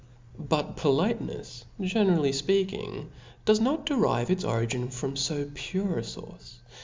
But politenefs, generally fpeaking, does not de rive its original from fo pure a fource.